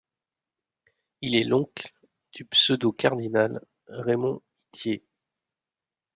Il est l'oncle du pseudo-cardinal Raimond Ithier.